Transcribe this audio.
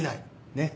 ねっ？